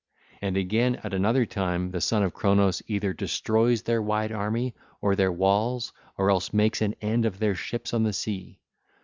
And again, at another time, the son of Cronos either destroys their wide army, or their walls, or else makes an end of their ships on the sea.